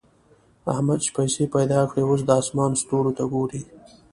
احمد چې پيسې پیدا کړې؛ اوس د اسمان ستورو ته ګوري.